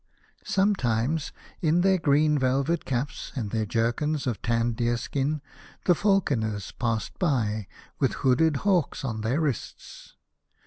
Sometimes in their green velvet caps, and their jerkins of tanned deerskin, the falconers passed by, with hooded hawks on their wrists.